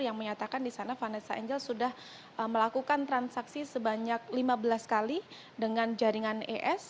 yang menyatakan di sana vanessa angel sudah melakukan transaksi sebanyak lima belas kali dengan jaringan es